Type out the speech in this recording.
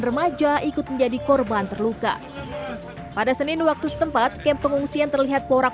remaja ikut menjadi korban terluka pada senin waktu setempat kemp pengungsian terlihat porak